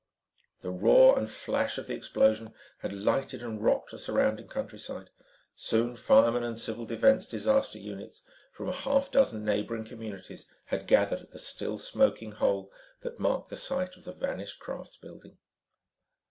The roar and flash of the explosion had lighted and rocked the surrounding countryside. Soon firemen and civil defense disaster units from a half dozen neighboring communities had gathered at the still smoking hole that marked the site of the vanished crafts building.